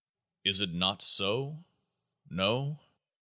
Is it not so? ... No?